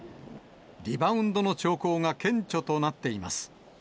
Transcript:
リバウンドの兆候が顕著となっています。